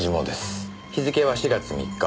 日付は４月３日。